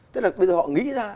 tức là bây giờ họ nghĩ ra